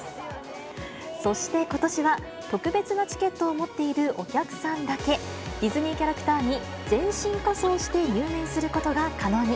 そしてことしは、特別なチケットを持っているお客さんだけ、ディズニーキャラクターに全身仮装して入園することが可能に。